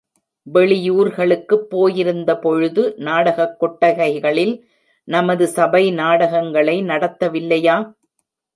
வெளியூர்களுக்குப் போயிருந்த பொழுது, நாடகக் கொட்டகைகளில் நமது சபை நாடகங்களை நடத்தவில்லையா?